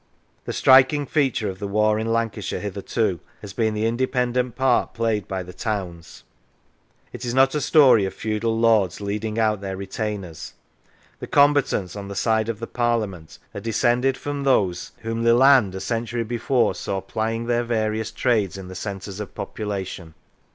The striking feature of the war in Lancashire hitherto has been the independent part played by the towns. It is not a story of feudal lords leading out their retainers. The combatants on the side of the Parliament are descended from those whom 97 N Lancashire Leland a century before saw plying their various trades in the centres of population.